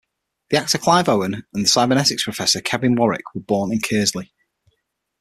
The actor Clive Owen and the cybernetics professor Kevin Warwick were born in Keresley.